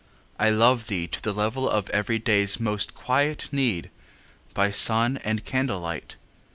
I love thee to the level of everyday's Most quiet need, by sun and candlelight.